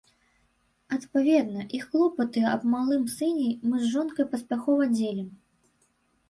Адпаведна, і клопаты аб малым сыне мы з жонкай паспяхова дзелім.